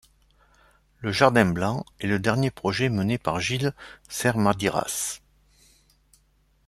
Le jardin blanc est le dernier projet mené par Gilles Sermadiras.